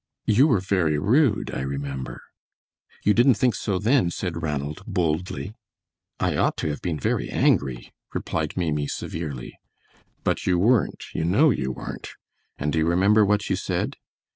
"You were very rude, I remember." "You didn't think so then," said Ranald, boldly. "I ought to have been very angry," replied Maimie, severely. "But you weren't, you know you weren't; and do you remember what you said?"